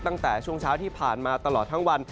ตั้งแต่ช่วงเช้าที่ผ่านมาตลอดทั้งวัน